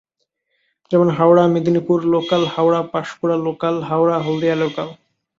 যেমন- Howrah-Medinipur local, Howrah-Panskura local, Howrah-Haldia local.